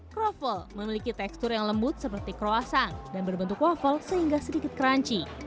kroffel memiliki tekstur yang lembut seperti kroasang dan berbentuk waffle sehingga sedikit crunchy